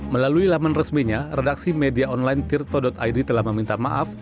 melalui laman resminya redaksi media online tirto id telah meminta maaf